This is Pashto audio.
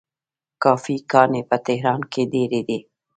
کافې ګانې په تهران کې ډیرې دي.